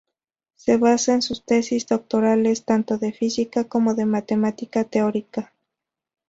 Se basa en sus tesis doctorales, tanto de física como de matemática teórica.